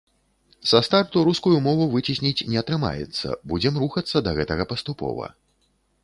Са старту рускую мову выцесніць не атрымаецца, будзем рухацца да гэтага паступова.